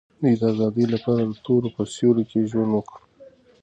دوی د آزادۍ لپاره د تورو په سیوري کې ژوند وکړ.